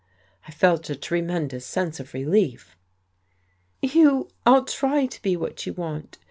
I felt a tremendous sense of relief. "Hugh, I'll try to be what you want.